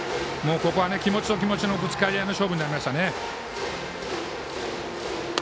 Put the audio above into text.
ここは気持ちと気持ちのぶつかり合いの勝負になりましたね。